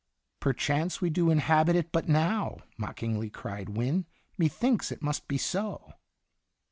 " Perchance we do inhabit it but now," mockingly cried Wynne; " methinks it must be so."